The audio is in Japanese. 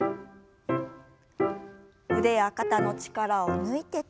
腕や肩の力を抜いて。